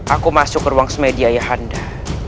aku masuk ke ruang semedia yahanda